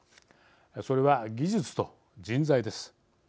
それは技術と人材です。